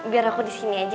biar aku disini aja